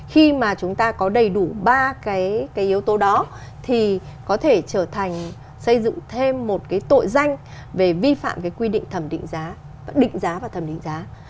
khi mà chúng ta có đầy đủ ba cái yếu tố đó thì có thể trở thành xây dựng thêm một cái tội danh về vi phạm cái quy định thẩm định giá định giá và thẩm định giá